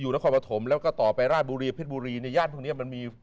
อืมอืม